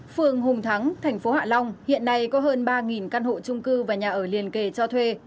phường hùng thắng tp hạ long hiện nay có hơn ba căn hộ trung cư và nhà ở liên kề cho thuê